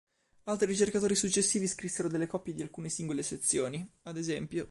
Altri ricercatori successivi scrissero delle copie di alcune singole sezioni; ad es.